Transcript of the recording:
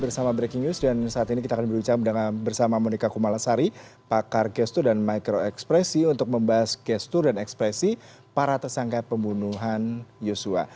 bersama breaking news dan saat ini kita akan berbicara bersama monika kumalasari pakar gestur dan micro ekspresi untuk membahas gestur dan ekspresi para tersangka pembunuhan yosua